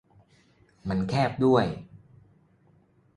มันแคบด้วย